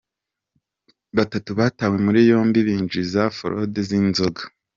Batatu batawe muri yombi binjiza forode z’inzoga